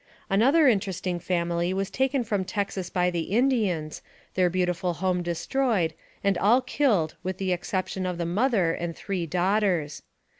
Another interesting family was taken from Texas by the Indians, their beautiful home destroyed, and all killed with the exception of the mother and three daughters.